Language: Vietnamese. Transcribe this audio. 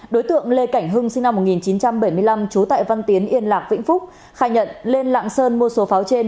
đối tượng lê cảnh hưng sinh năm một nghìn chín trăm bảy mươi năm trú tại văn tiến yên lạc vĩnh phúc khai nhận lên lạng sơn mua số pháo trên